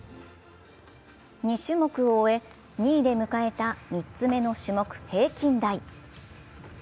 ２種目を終え２位で迎えた３つ目の種目・平均台。